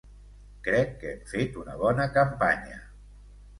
Crec que hem fet una bona campanya.